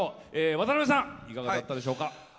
渡辺さんいかがだったでしょうか。